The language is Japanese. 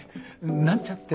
なんちゃって。